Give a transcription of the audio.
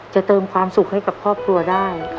เติมความสุขให้กับครอบครัวได้